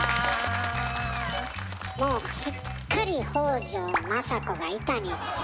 もうすっかり北条政子が板についちゃって。